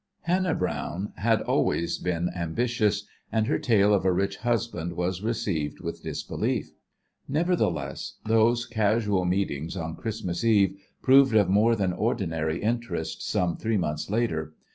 Hannah Browne had always been ambitious, and her tale of a rich husband was received with disbelief. Nevertheless, those casual meetings on Christmas Eve proved of more than ordinary interest some three months later.